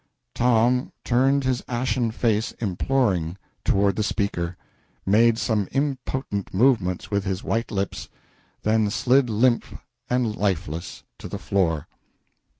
Tom turned his ashen face imploring toward the speaker, made some impotent movements with his white lips, then slid limp and lifeless to the floor.